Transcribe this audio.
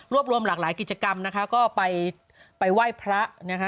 รวมรวมหลากหลายกิจกรรมนะคะก็ไปไปไหว้พระนะคะ